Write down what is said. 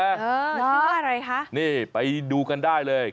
มันชื่อว่าอะไรคะนี่ไปดูกันได้เลย